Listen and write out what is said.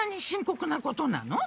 こくなことなの？